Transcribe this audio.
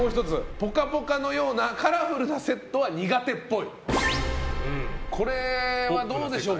「ぽかぽか」のようなカラフルなセットは苦手っぽい。